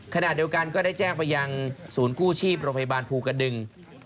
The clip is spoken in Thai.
ขณะเดียวกันก็ได้แจ้งไปยังศูนย์กู้ชีพโรงพยาบาลภูกระดึง